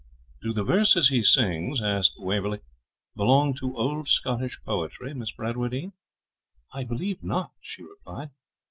'Do the verses he sings,' asked Waverley, 'belong to old Scottish poetry, Miss Bradwardine?' 'I believe not,' she replied.